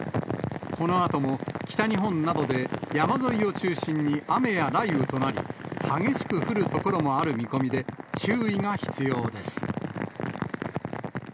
このあとも北日本などで山沿いを中心に雨や雷雨となり、激しく降る所もある見込みで、注意が必要です。